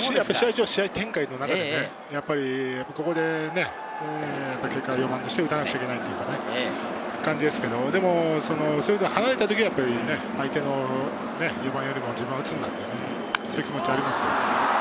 試合展開の中で、ここで結果４番として打たなきゃいけないっていう感じですけど離れた時は相手の４番よりも自分が打つんだっていう、そういう気持ちはありますね。